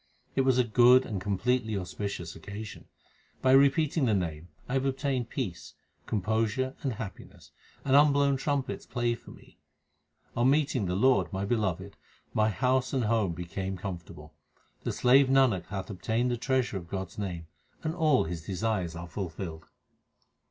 It was a good and completely auspicious occasion. By repeating the Name I have obtained peace, composure, and happiness ; and unblown trumpets play for me. On meeting the Lord, my Beloved, my house and home became comfortable. HYMNS OF GURU ARJAN 357 The slave Nanak hath obtained the treasure of God s name, and all his desires are fulfilled.